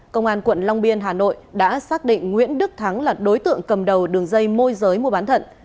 công an quận long biên hà nội đã xác định nguyễn đức thắng là đối tượng cầm đầu đường dây môi giới mua bán thận